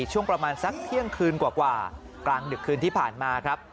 ช่วงประมาณสักเที่ยงคืนกว่ากลางดึกคืนที่ผ่านมาครับ